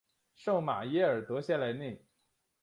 圣皮耶尔德谢雷内。